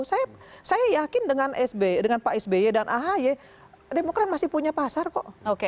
saya yakin dengan pak sby dan ahy demokrat masih punya pasar kok